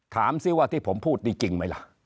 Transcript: ถามสิว่าที่ผมพูดดีจริงไหมล่ะ